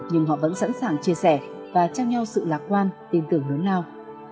nhưng họ vẫn sẵn sàng chia sẻ và trao nhau sự lạc quan tin tưởng lớn lao